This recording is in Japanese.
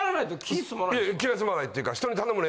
気が済まないっていうか。